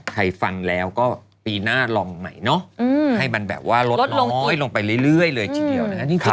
ใครฟังแล้วก็ปีหน้าลองใหม่เนาะให้มันแบบว่าลดน้อยลงไปเรื่อยเลยทีเดียวนะครับ